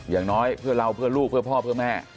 อย่างน้อยเพื่อเราเพื่อลูกเพื่อพ่อเพื่อแม่